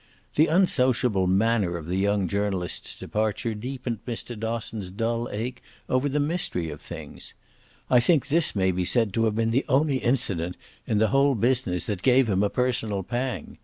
The unsociable manner of the young journalist's departure deepened Mr. Dosson's dull ache over the mystery of things. I think this may be said to have been the only incident in the whole business that gave him a personal pang.